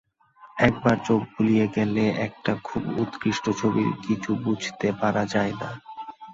একবার চোখ বুলিয়ে গেলে একটা খুব উৎকৃষ্ট ছবির কিছু বুঝতে পারা যায় না।